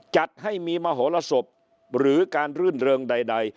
จัดให้มีมโหลสบหรือการรื่นเริงใด